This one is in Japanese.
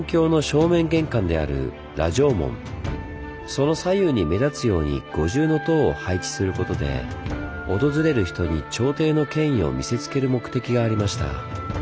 その左右に目立つように五重塔を配置することで訪れる人に朝廷の権威を見せつける目的がありました。